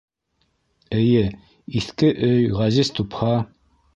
Эйе, иҫке өй, ғәзиз тупһа...